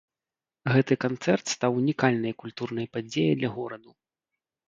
Гэты канцэрт стаў унікальнай культурнай падзеяй для гораду.